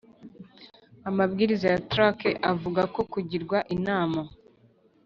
amabwiriza ya trac avuga ko kugirwa inama,